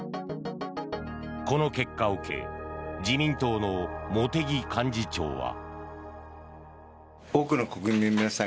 この結果を受け自民党の茂木幹事長は。